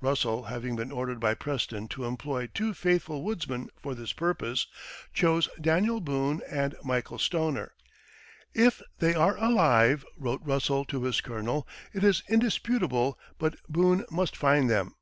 Russell having been ordered by Preston to employ "two faithful woodsmen" for this purpose, chose Daniel Boone and Michael Stoner. "If they are alive," wrote Russell to his colonel, "it is indisputable but Boone must find them."